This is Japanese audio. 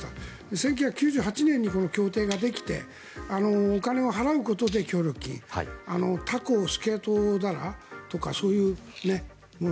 １９９８年にこの協定ができて協力金、お金を払うことでタコとスケトウダラとかそういうもの。